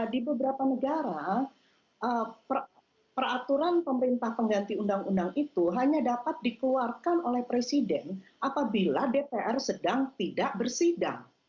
di beberapa negara peraturan pemerintah pengganti undang undang itu hanya dapat dikeluarkan oleh presiden apabila dpr sedang tidak bersidang